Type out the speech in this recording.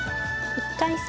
１回戦